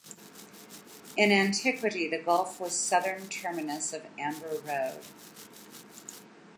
In antiquity the gulf was southern terminus of Amber Road.